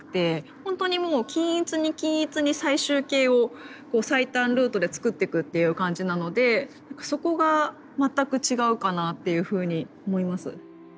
ほんとにもう均一に均一に最終形を最短ルートで作ってくっていう感じなのでそこが全く違うかなっていうふうに思います。